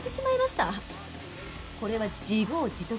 これは自業自得です。